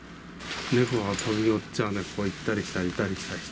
猫が飛び乗っちゃね、行ったり来たり、行ったり来たり。